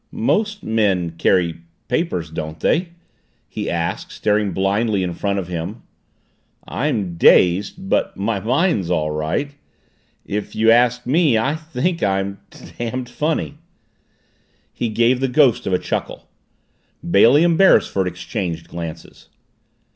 "Most men carry papers don't they?" he asked, staring blindly in front of him. "I'm dazed but my mind's all right. If you ask me I think I'm d damned funny!" He gave the ghost of a chuckle. Bailey and Beresford exchanged glances.